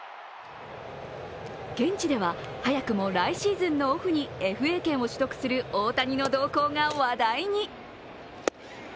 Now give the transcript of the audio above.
現地では早くも来シーズンのオフにＦＡ権を取得する大谷の動向が話題に。